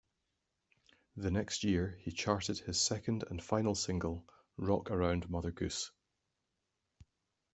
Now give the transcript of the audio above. The next year he charted his second and final single, Rock Around Mother Goose.